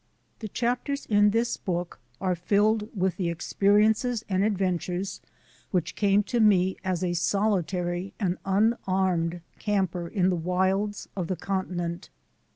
The chapters in this book are filled with the ex periences and adventures which came to me as a solitary and unarmed camper in the wilds of the continent.